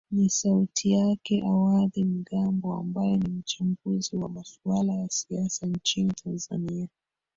ni sauti yake awadhi mgambo ambae ni mchambuzi wa masuala ya siasa nchini tanzania